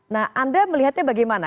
nah anda melihatnya bagaimana